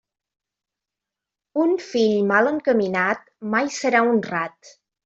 Un fill mal encaminat, mai serà honrat.